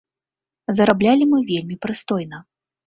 Зараблялі мы вельмі прыстойна.